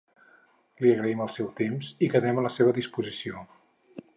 Li agraïm el seu temps i quedem a la seva disposició.